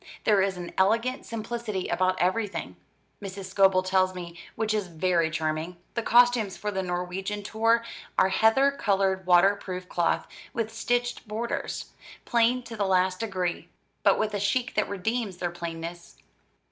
There is an elegant simplicity about everything, Mrs. Scobel tells me, which is very charming. The costumes for the Norwegian tour are heather coloured water proof cloth, with stitched borders, plain to the last degree, but with a chic that redeems their plainness.